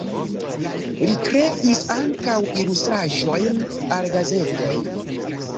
Li kreis ankaŭ ilustraĵojn al gazetoj.